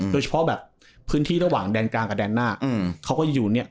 เฉพาะแบบพื้นที่ระหว่างแดนกลางกับแดนหน้าเขาก็จะอยู่เนี่ย